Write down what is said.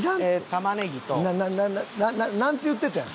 タマネギと。なんて言っててん？